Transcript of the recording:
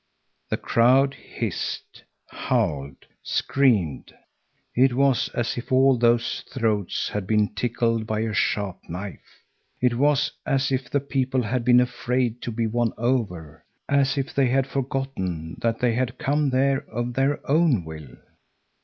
The crowd hissed, howled, screamed. It was as if all those throats had been tickled by a sharp knife. It was as if the people had been afraid to be won over, as if they had forgotten that they had come there of their own will.